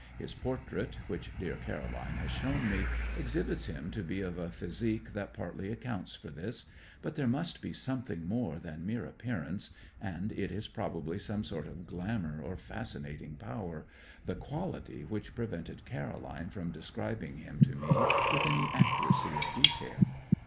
His portrait, which dear Caroline has shown me, exhibits him to be of a physique that partly accounts for this: but there must be something more than mere appearance, and it is probably some sort of glamour or fascinating power the quality which prevented Caroline from describing him to me with any accuracy of detail.